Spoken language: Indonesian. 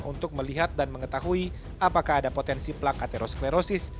untuk melihat dan mengetahui apakah ada potensi plak atherosklerosis